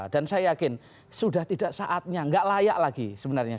dan saya yakin sudah tidak saatnya tidak layak lagi sebenarnya